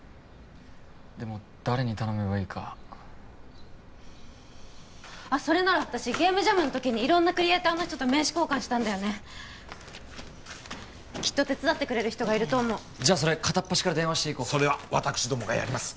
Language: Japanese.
でも誰に頼めばいいかあっそれなら私ゲームジャムの時に色んなクリエイターの人と名刺交換したんだよねきっと手伝ってくれる人がいると思うじゃあそれ片っ端から電話していこうそれは私どもがやります